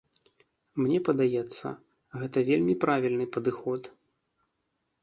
Мне падаецца, гэта вельмі правільны падыход.